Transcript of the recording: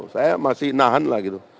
saya masih nahan lah gitu